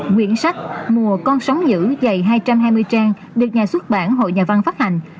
nguyễn sách mùa con sóng giữ dày hai trăm hai mươi trang được nhà xuất bản hội nhà văn phát hành